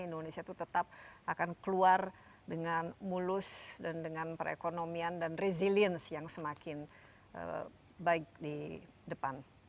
indonesia itu tetap akan keluar dengan mulus dan dengan perekonomian dan resilience yang semakin baik di depan